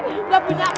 masih ada anak